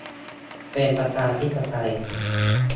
เป็นประชาธิปไตย